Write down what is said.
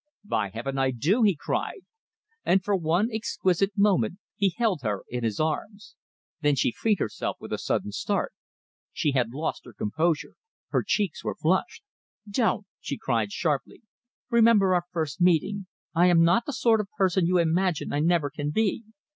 "By Heaven, I do!" he cried, and for one exquisite moment he held her in his arms. Then she freed herself with a sudden start. She had lost her composure. Her cheeks were flushed. "Don't!" she cried, sharply. "Remember our first meeting. I am not the sort of person you imagine. I never can be.